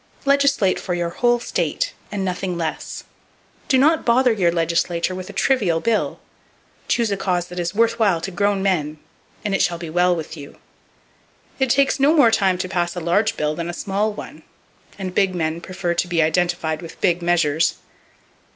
Legislate for your whole state, and nothing less. Do not bother your legislature with a trivial bill. Choose a cause that [Page 260] is worth while to grown men, and it shall be well with you. It takes no more time to pass a large bill than a small one; and big men prefer to be identified with big measures.